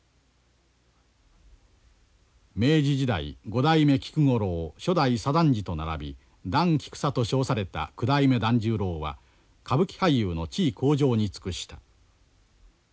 明治時代五代目菊五郎初代左團次と並び團菊左と称された九代目團十郎は歌舞伎俳優の地位向上に尽くした。